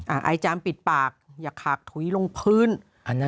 อาจารย์ปิดปากอย่าขากถุยลงพื้น